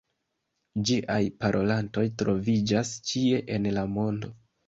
Ĝiaj parolantoj troviĝas ĉie en la mondo.